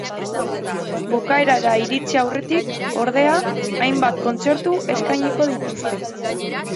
Bukaerara iritsi aurretik, ordea, hainbat kontzertu eskainiko dituzte.